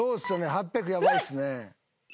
８００ヤバいっすね。